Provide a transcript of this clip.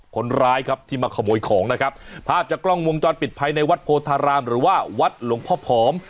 คนร้ายครับที่มาขโมยของนะครับภาพจากกล้องวงจรปิดภายในวัดโพธารามหรือว่าวัดหลวงพ่อผอม